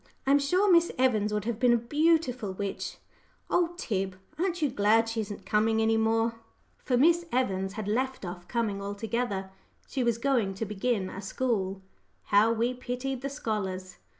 I am sure Miss Evans would have been a beautiful witch! Oh, Tib, aren't you glad she isn't coming any more?" For Miss Evans had left off coming altogether. She was going to begin a school how we pitied the scholars!